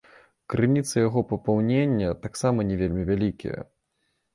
Крыніцы яго папаўнення таксама не вельмі вялікія.